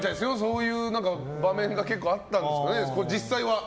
そういう場面があったんですかね。